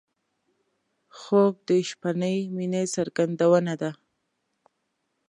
خوب د شپهنۍ مینې څرګندونه ده